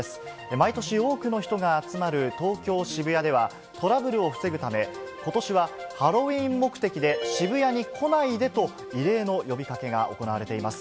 毎年多くの人が集まる東京・渋谷では、トラブルを防ぐため、ことしはハロウィーン目的で渋谷に来ないでと、異例の呼びかけが行われています。